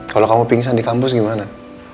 kalau kamu pingsan di kampus gimana